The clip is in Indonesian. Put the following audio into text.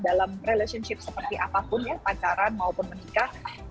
dalam relationship seperti apapun ya pacaran maupun menikah